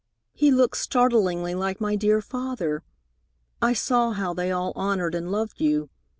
He looked startlingly like my dear father. I saw how they all honored and loved you.